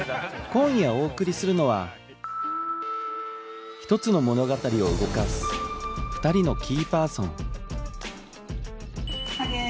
今夜お送りするのは１つの物語を動かす２人のキーパーソンはげー。